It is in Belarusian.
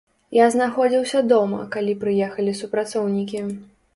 Я знаходзіўся дома, калі прыехалі супрацоўнікі.